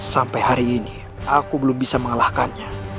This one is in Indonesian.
sampai hari ini aku belum bisa mengalahkannya